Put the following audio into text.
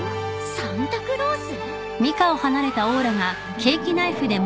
サンタクロース？